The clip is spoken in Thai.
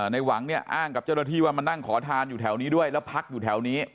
ในหวังเนี่ยอ้างกับเจ้าหน้าที่ว่ามานั่งขอทานอยู่แถวนี้ด้วยแล้วพักอยู่แถวนี้